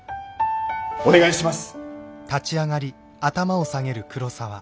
お願いします。